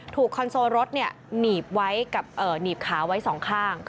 คอนโซลรถหนีบไว้กับหนีบขาไว้สองข้าง